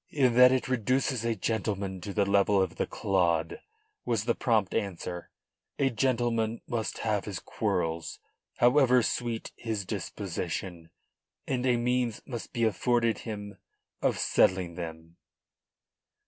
"In that it reduces a gentleman to the level of the clod," was the prompt answer. "A gentleman must have his quarrels, however sweet his disposition, and a means must be afforded him of settling them."